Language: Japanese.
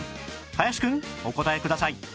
林くんお答えください